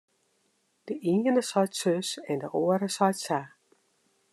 De iene seit sus en de oare seit sa.